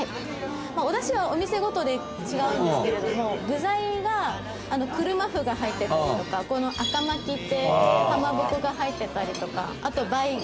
おだしはお店ごとで違うんですけれども具材が車麩が入ってたりとかこの赤巻ってかまぼこが入ってたりとかあとバイ貝。